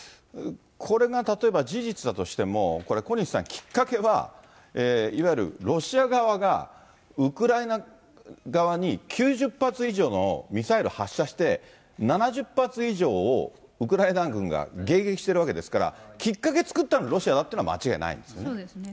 これが例えば事実だとしても、これ、小西さん、きっかけはいわゆるロシア側がウクライナ側に９０発以上のミサイル発射して、７０発以上をウクライナ軍が迎撃しているわけですから、きっかけ作ったの、ロシアだというのは間違いないですよね。